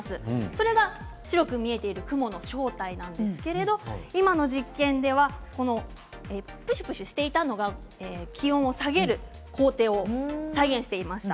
それが白く見えている雲の正体なんですけど今の実験ではぷしゅぷしゅしていたのが気温を下げる工程を再現していました。